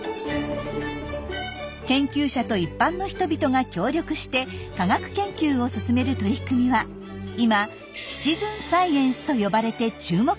研究者と一般の人々が協力して科学研究を進める取り組みは今「シチズンサイエンス」と呼ばれて注目されています。